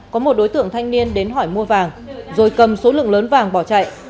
có một đối tượng thanh niên đến hỏi mua vàng rồi cầm số lượng lớn vàng bỏ chạy